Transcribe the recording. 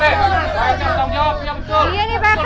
pak rt yang tanggung jawab yang sul